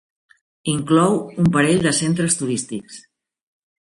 Inclou un parell de centres turístics.